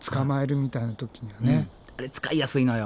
あれ使いやすいのよ。